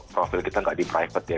profil kita nggak di private ya